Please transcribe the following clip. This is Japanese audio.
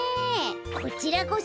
こちらこそ。